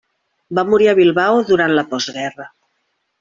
Va morir a Bilbao durant la postguerra.